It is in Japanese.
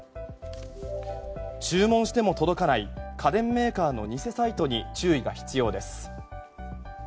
注文しても届かない家電メーカーの偽サイトに注意が必要です。